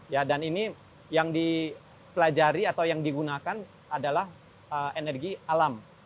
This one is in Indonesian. ya dan ini yang dipelajari atau yang digunakan adalah energi alam